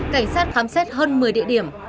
cảnh sát khám xét hơn một mươi địa điểm